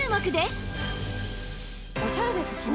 オシャレですしね。